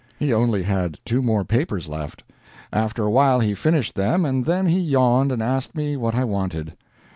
He only had two more papers left. After a while he finished them, and then he yawned and asked me what I wanted.